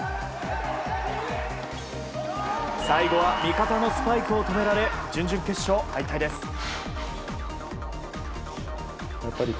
最後は味方のスパイクを止められ準々決勝敗退です。